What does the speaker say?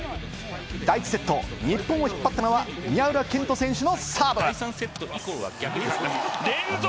第１セット、日本を引っ張ったのは、宮浦健人選手のサーブ。